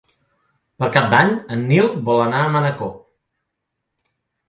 Per Cap d'Any en Nil vol anar a Manacor.